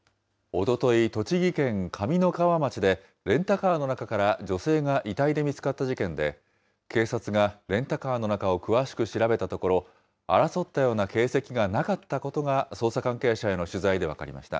おととい、栃木県上三川町でレンタカーの中から女性が遺体で見つかった事件で、警察がレンタカーの中を詳しく調べたところ、争ったような形跡がなかったことが捜査関係者への取材で分かりました。